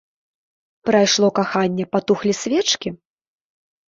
Прайшло каханне, патухлі свечкі?